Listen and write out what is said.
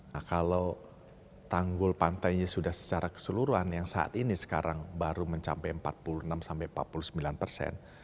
nah kalau tanggul pantainya sudah secara keseluruhan yang saat ini sekarang baru mencapai empat puluh enam sampai empat puluh sembilan persen